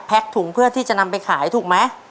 ถุงเพื่อที่จะนำไปขายถูกไหม